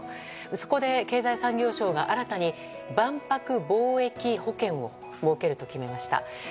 そこで、経済産業省が新たに万博貿易保険を設けると決めました。